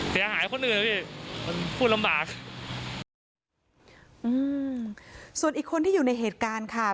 เสียหายคนอื่นอ่ะพี่มันพูดลำบากอืมส่วนอีกคนที่อยู่ในเหตุการณ์ค่ะ